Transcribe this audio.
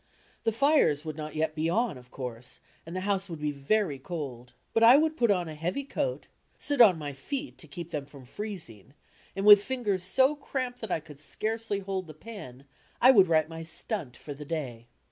The fires would not yet be on, of course, and the house would be very cold. But I would put on a heavy coat, sit on my feet to keep them from freezing and with fingers so cramped that I could scarcely hold the pen, I would write my "stunt" for the day.